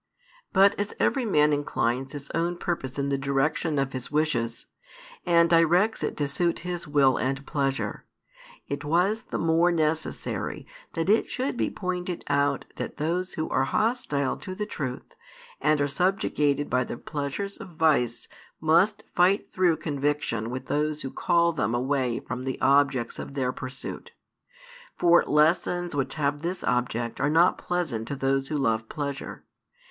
But as every man inclines his own purpose in the direction of his wishes, and directs it to suit his will and pleasure, it was the more necessary that it should be pointed out that those who are hostile to the truth and are subjugated by the pleasures of vice must fight through |419 conviction with those who call them away from the objects of their pursuit. For lessons which have this object are not pleasant to those who love pleasure.